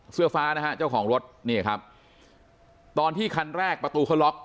เสื้อฟ้านะฮะเจ้าของรถนี่ครับตอนที่คันแรกประตูเขาล็อก